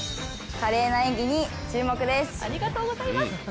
華麗な演技に注目です。